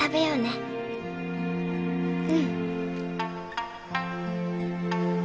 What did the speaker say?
うん。